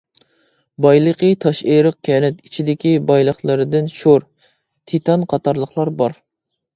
بايلىقى تاشئېرىق كەنتى ئىچىدىكى بايلىقلىرىدىن شور، تىتان قاتارلىقلار بار.